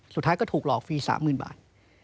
สุดท้ายก็ถูกหลอกฟรีสามหมื่นบาท